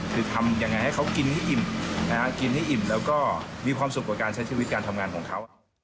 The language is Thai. คือทำยังไงให้เขากินให้อิ่มกินให้อิ่มแล้วก็มีความสุขกับการใช้ชีวิตการทำงานของเขา